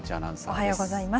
おはようございます。